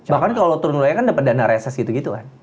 bahkan kalau lu turun ke wilayah kan dapet dana reses gitu gitu kan